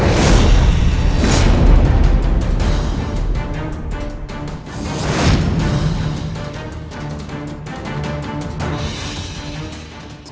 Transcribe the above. sekarang anak adik patiwan ayasa